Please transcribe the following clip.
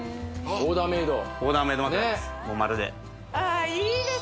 オーダーメード枕です